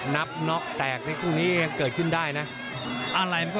นับน็อกแตกในครู่นี้ยังเกิดขึ้นได้นะ